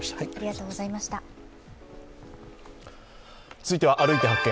続いては「歩いて発見！